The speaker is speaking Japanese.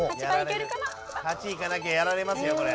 ８いかなきゃやられますよこれ。